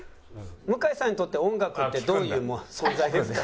「向井さんにとって音楽ってどういう存在ですか？」。